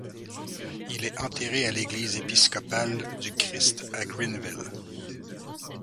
Il est enterré à l'église episcopal du Christ à Greenville.